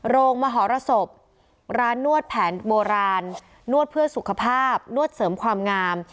มหรสบร้านนวดแผนโบราณนวดเพื่อสุขภาพนวดเสริมความงาม